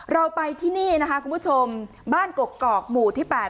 เราไปที่นี่นะคะคุณผู้ชมบ้านกกอกหมู่ที่๘